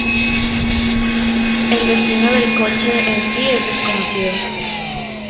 El destino del coche en sí es desconocido.